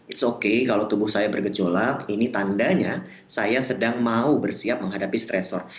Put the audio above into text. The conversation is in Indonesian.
it's okay kalau tubuh saya bergejolak ini tandanya saya sedang mau bersiap menghadapi stresor